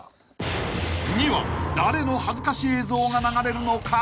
［次は誰の恥ずかし映像が流れるのか？］